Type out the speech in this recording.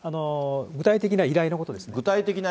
具体的な依頼のことですね。